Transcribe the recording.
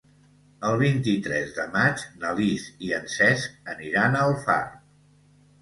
El vint-i-tres de maig na Lis i en Cesc aniran a Alfarb.